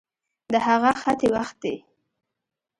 د هغه ختې وختې